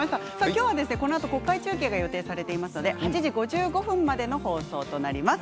今日は、このあと国会中継が予定されていますので８時５５分までの放送となります。